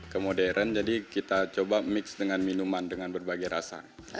ke modern jadi kita coba mix dengan minuman dengan berbagai rasa